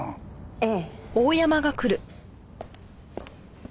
ええ。